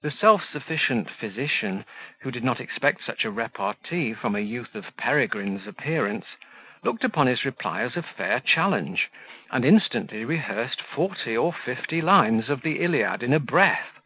The self sufficient physician, who did not expect such a repartee from a youth of Peregrine's appearance, looked upon his reply as a fair challenge, and instantly rehearsed forty or fifty lines of the Iliad in a breath.